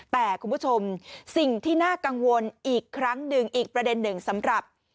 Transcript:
แต่คุณผู้ชมสิ่งที่น่ากังวลอีกครั้งหนึ่งอีกประเด็นหนึ่งสำหรับ